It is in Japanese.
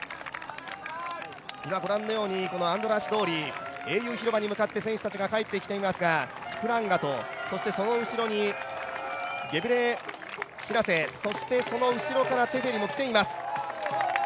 今、アンドラーシ通り、英雄広場に向かって選手たちが帰ってきていますが、キプランガトそしてその後ろにゲブレシラセそしてその後ろからテフェリも来ています。